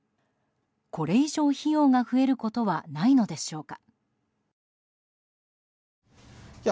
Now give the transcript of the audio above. これ以上、費用が増えることはないのでしょうか。